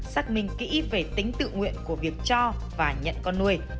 xác minh kỹ về tính tự nguyện của việc cho và nhận con nuôi